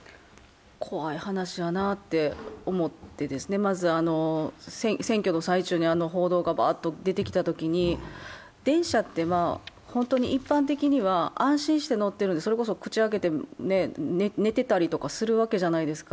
怖い話やなと思って、まず選挙の最中にあの報道がばーっと出てきたときに電車って本当に一般的には安心して乗ってるので、それこそ口を開けて寝てたりするわけじゃないですか。